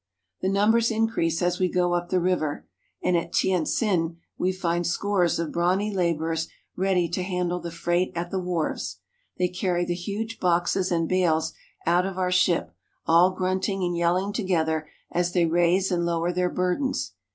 The numbers increase as we go up the river, and at Tientsin we find scores of brawny laborers ready to handle the freight at the wharves. They carry the huge boxes and bales out of our ship, all grunting and yelling together as they raise and lower their burdens.